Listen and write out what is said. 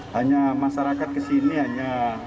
hanya masyarakat kesini hanya